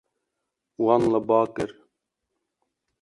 Wan li ba kir.